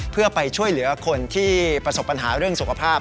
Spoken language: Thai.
เพื่อไปช่วยเหลือคนที่ประสบปัญหาเรื่องสุขภาพ